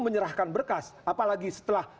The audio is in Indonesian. menyerahkan berkas apalagi setelah